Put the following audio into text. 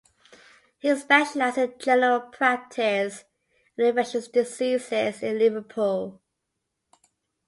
He specialised in general practice and infectious diseases in Liverpool.